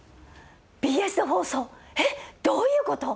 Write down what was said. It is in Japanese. ＢＳで放送えっどういうこと！？